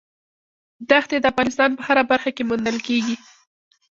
دښتې د افغانستان په هره برخه کې موندل کېږي.